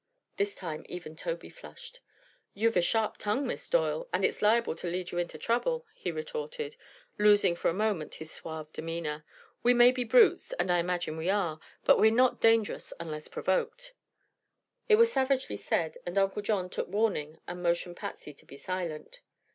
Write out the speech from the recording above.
This time even Tobey flushed. "You've a sharp tongue, Miss Doyle, and it's liable to lead you into trouble," he retorted, losing for the moment his suave demeanor. "We may be brutes and I imagine we are but we're not dangerous unless provoked." It was savagely said, and Uncle John took warning and motioned Patsy to be silent.